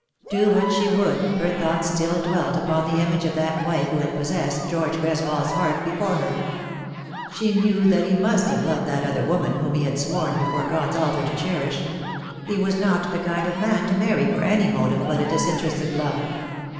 Do what she would her thoughts still dwelt upon the image of that wife who had possessed George Greswold's heart before hex Bhe knew that he nmat have loved that other woman Shall She be Less than Another f 111 whom he had sworn before God's altar to cherish. He was not the kind of man to marry for vsj motive but a disiaterested love.